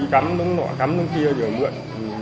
cắm đúng nọ cắm đúng kia rồi mượn